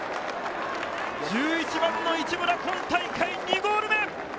１１番の一村、今大会２ゴール目。